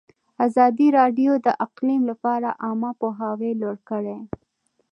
ازادي راډیو د اقلیم لپاره عامه پوهاوي لوړ کړی.